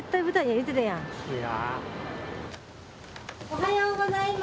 おはようございます！